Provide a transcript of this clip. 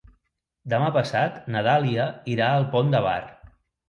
Demà passat na Dàlia irà al Pont de Bar.